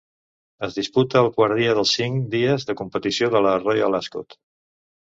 Es disputa el quart dia dels cinc dies de competició de la "Royal Ascot".